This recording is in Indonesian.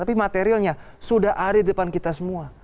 tapi materialnya sudah ada di depan kita semua